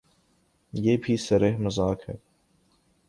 یہ بھی صریحا مذاق ہے۔